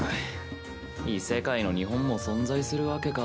異世界の日本も存在するわけか。